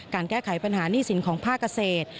การแก้ไขปัญหานี่สินของผ้ากเกษตร